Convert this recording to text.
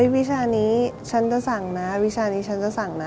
วิชานี้ฉันจะสั่งนะ